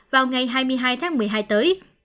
vào ngày hai mươi hai tháng một mươi hai tới